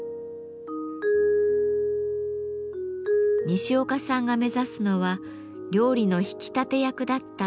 西岡さんが目指すのは料理の引き立て役だっただしを前面に出すこと。